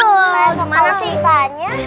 wah gimana sih tanya